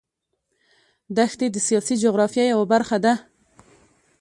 دښتې د سیاسي جغرافیه یوه برخه ده.